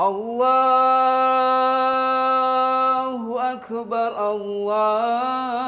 allahu akbar allah